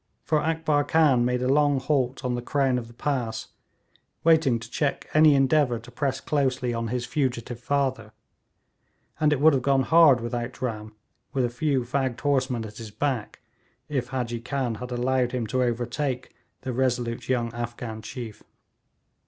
For Akbar Khan made a long halt on the crown of the pass, waiting to check any endeavour to press closely on his fugitive father, and it would have gone hard with Outram, with a few fagged horsemen at his back, if Hadji Khan had allowed him to overtake the resolute young Afghan chief.